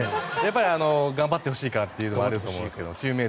頑張ってほしいからっていうのもあると思うんですけど。